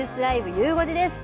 ゆう５時です。